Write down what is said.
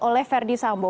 oleh ferdi sambo